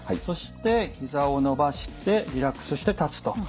そしてひざを伸ばしてリラックスして立つと。